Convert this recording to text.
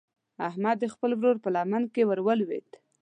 احمد د خپل ورور په لمن کې ور ولوېد.